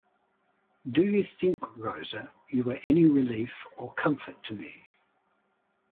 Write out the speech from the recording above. Do you think, Rosa, you are any relief or comfort to me?